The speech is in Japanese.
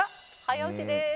早押しです」